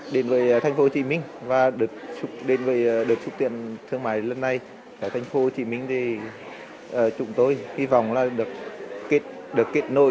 đến với tp hcm và được xúc tiện thương mại lần này tp hcm thì chúng tôi hy vọng là được kết nối